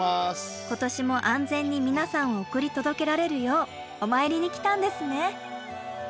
今年も安全に皆さんを送り届けられるようお参りに来たんですね。